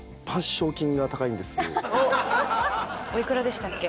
お幾らでしたっけ？